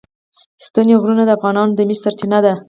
ستوني غرونه د افغانانو د معیشت سرچینه ده.